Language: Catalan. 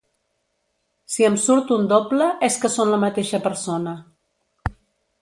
Si em surt un doble és que són la mateixa persona.